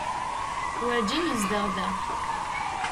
Werǧin yezdeɣ da.